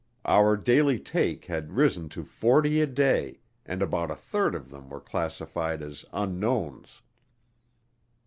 Our daily take had risen to forty a day, and about a third of them were classified as unknowns.